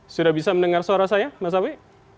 sudah bisa mendengar suara saya mas awi